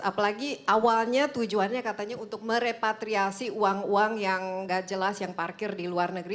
apalagi awalnya tujuannya katanya untuk merepatriasi uang uang yang nggak jelas yang parkir di luar negeri